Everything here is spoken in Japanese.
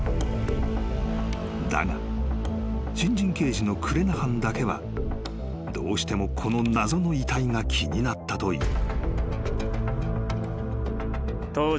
［だが新人刑事のクレナハンだけはどうしてもこの謎の遺体が気になったという］